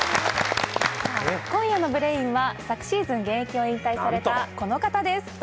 今夜のブレインは昨シーズン現役を引退されたこの方です